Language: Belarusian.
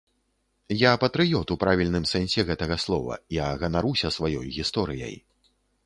Я патрыёт у правільным сэнсе гэтага слова, я ганаруся сваёй гісторыяй.